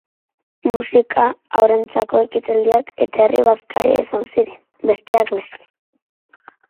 Musika, haurrentzako ekitaldiak eta herri-bazkaria izan ziren, besteak beste.